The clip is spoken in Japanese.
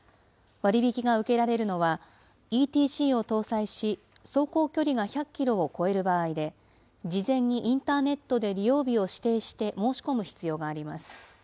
割引が受けられるのは、ＥＴＣを搭載し、走行距離が１００キロを超える場合で、事前にインターネットで利用日を指定して、申し込む必要があります。